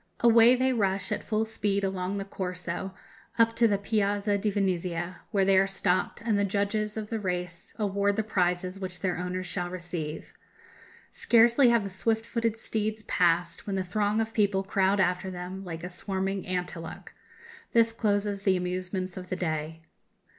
Away they rush at full speed along the Corso up to the Piazza di Venezia, where they are stopped, and the judges of the race award the prizes which their owners shall receive. Scarcely have the swift footed steeds passed, when the throng of people crowd after them like a swarming ant hillock. This closes the amusements of the day....